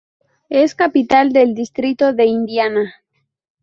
Es capital del distrito de Indiana.